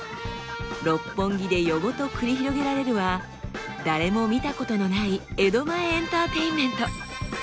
六本木で夜ごと繰り広げられるは誰も見たことのない江戸前エンターテインメント！